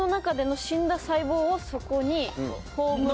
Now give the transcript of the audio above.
そこに。